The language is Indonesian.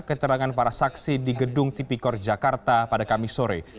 keterangan para saksi di gedung tipikor jakarta pada kamis sore